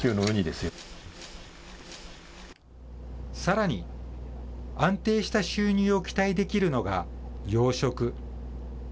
さらに、安定した収入を期待できるのが養殖。